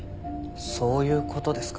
そういう事ですか？